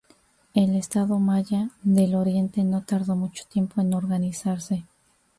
El "estado maya del Oriente" no tardó mucho tiempo en organizarse.